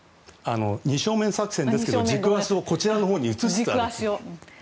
二正面作戦ですけど軸足をこちらのほうに移すという。